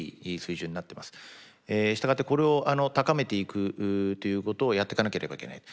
従ってこれを高めていくということをやっていかなければいけない。